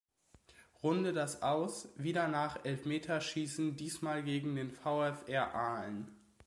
Runde das Aus, wieder nach Elfmeterschießen diesmal gegen den VfR Aalen.